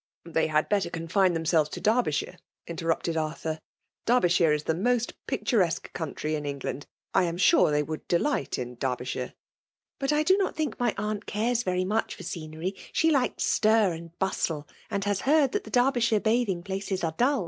'« They had better confine thtmsel'res to Alrbythilre/' int»rniptod Afflmi^ Derby ahire is the most picturesque county m Siig land — I am sura they would delight in Derby '* But I do not think my aunt tsros Jvwy nioA'^r soenery '^she ' fikes stir and bustle ; ^nd has heard that the Derbyshire bathiiqi; places are dull."